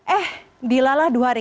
eh dilalah dua hari